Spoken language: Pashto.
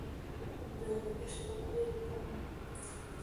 د ګاډي خلګ يې ټمبه کړل.